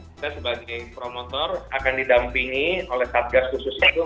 kita sebagai promotor akan didampingi oleh satgas khusus itu